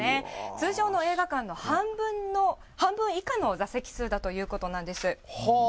通常の映画館の半分以下の座席数だということなんです。